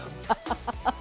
ハハハハハ！